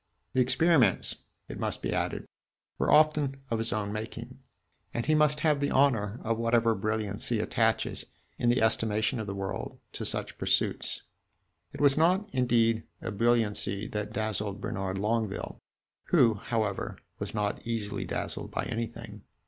The experiments, it must be added, were often of his own making, and he must have the honor of whatever brilliancy attaches, in the estimation of the world, to such pursuits. It was not, indeed, a brilliancy that dazzled Bernard Longueville, who, however, was not easily dazzled by anything.